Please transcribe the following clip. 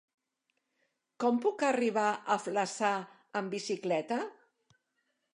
Com puc arribar a Flaçà amb bicicleta?